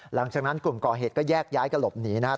หลังจากนั้นกลุ่มก่อเหตุก็แยกย้ายกระหลบหนีนะครับ